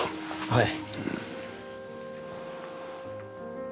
はい。